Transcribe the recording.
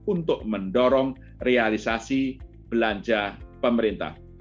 untuk mendorong realisasi belanja pemerintah